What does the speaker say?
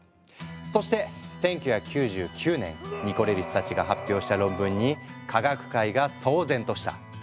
そして１９９９年ニコレリスたちが発表した論文に科学界が騒然とした。